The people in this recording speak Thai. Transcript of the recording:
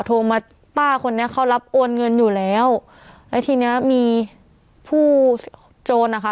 โทรมาป้าคนนี้เขารับโอนเงินอยู่แล้วแล้วทีเนี้ยมีผู้โจรนะคะ